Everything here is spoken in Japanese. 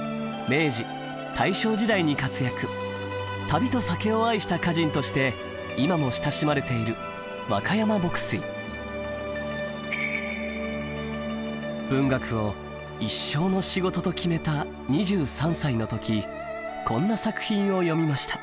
「旅と酒」を愛した歌人として今も親しまれている文学を一生の仕事と決めた２３歳の時こんな作品を詠みました。